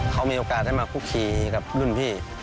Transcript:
เขามีโอกาสได้มาคุกคีกับรุ่นพี่